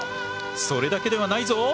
それだけではないぞ！